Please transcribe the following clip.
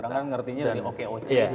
orang kan ngertinya jadi okoc